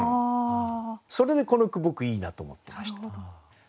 それでこの句僕いいなと思ってました。